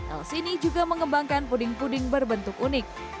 elsini juga mengembangkan puding puding berbentuk unik